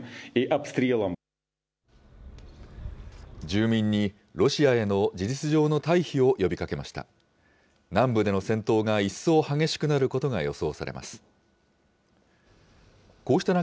住民にロシアへの事実上の退避を呼びかけました。